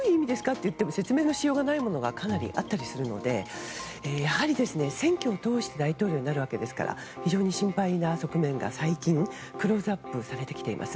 と言っても説明のしようがないものがかなりあったりするのでやはり選挙を通して大統領になるわけですから非常に心配な側面が最近、クローズアップされてきています。